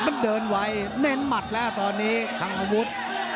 มันเดินไว้เน้นหมัดแล้วตอนนี้คังอาวุธ